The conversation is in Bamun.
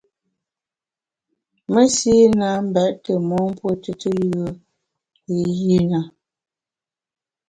Mesi na mbèt tù mon mpuo tùtù yùe i yi na.